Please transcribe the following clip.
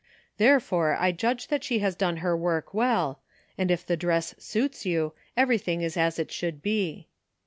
Therefore I judge that she has done her work well, and if the dress suits you everything is as it should be.